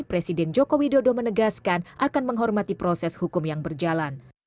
presiden joko widodo menegaskan akan menghormati proses hukum yang berjalan